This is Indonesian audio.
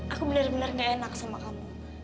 aku benar benar gak enak sama kamu